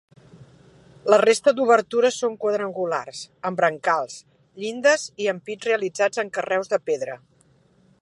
La resta d'obertures són quadrangulars, amb brancals, llindes i ampits realitzats amb carreus de pedra.